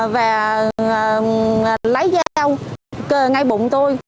và lấy dao kề ngay bụng tôi